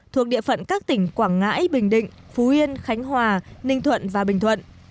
thuộc địa phận các tỉnh quảng ngãi bình định phú yên khánh hòa ninh thuận và bình thuận